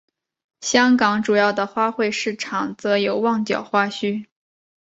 香港主要的花卉市场则有旺角花墟。